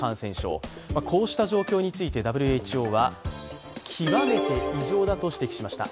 こうした状況についてＷＨＯは、極めて異常だと指摘しました。